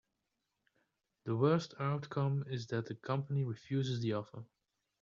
The worst outcome is that the company refuses the offer.